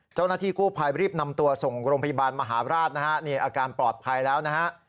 เจ้าหน้าที่กู้ภัยรีบนำตัวส่งโรงพยาบาลมหาราชนะฮะนี่อาการปลอดภัยแล้วนะฮะ